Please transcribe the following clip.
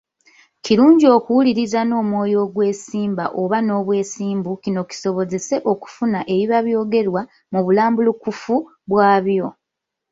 Kirungi okuwuliriza n’omwoyo ogw’essimba oba n’obwesimbu kino kisobozese okufuna ebiba byogerwa mu bulambulukufu bwabyo.